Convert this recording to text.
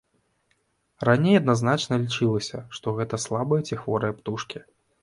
Раней адназначна лічылася, што гэта слабыя ці хворыя птушкі.